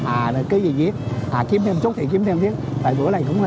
à là cái gì yếc à kiếm thêm chút thì kiếm thêm